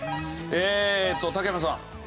えーっと竹山さん。